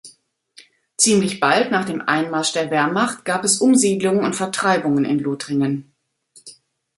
Ziemlich bald nach dem Einmarsch der Wehrmacht gab es Umsiedlungen und Vertreibungen in Lothringen.